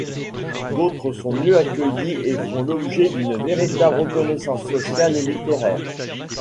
D’autres sont mieux accueillies et font l’objet d’une véritable reconnaissance sociale et littéraire.